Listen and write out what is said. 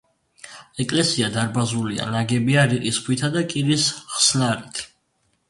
ეკლესია დარბაზულია ნაგებია რიყის ქვითა და კირის ხსნარით.